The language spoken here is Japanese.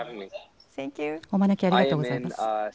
お招きありがとうございます。